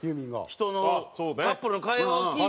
人のカップルの会話を聞いて。